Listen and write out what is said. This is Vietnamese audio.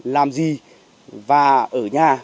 làm gì và ở nhà